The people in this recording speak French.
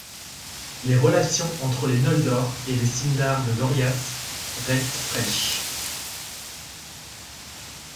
Les relations entre les Noldor et les Sindar de Doriath restent fraîches.